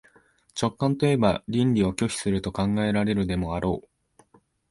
直観といえば論理を拒否すると考えられるでもあろう。